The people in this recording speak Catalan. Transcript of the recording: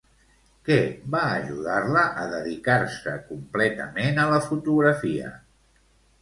Què va ajudar-la a dedicar-se completament a la fotografia?